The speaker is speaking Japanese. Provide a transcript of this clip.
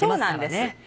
そうなんです。